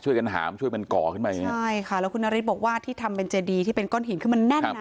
ช่วยกันหามช่วยมันก่อขึ้นมาอย่างเงี้ใช่ค่ะแล้วคุณนฤทธิ์บอกว่าที่ทำเป็นเจดีที่เป็นก้อนหินคือมันแน่นนะ